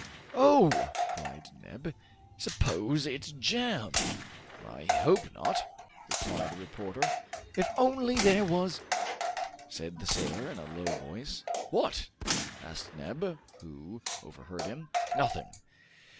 "Oh!" cried Neb, "suppose it's jam! "I hope not," replied the reporter. "If only there was " said the sailor in a low voice. "What?" asked Neb, who overheard him. "Nothing!"